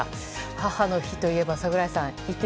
母の日といえば、櫻井さん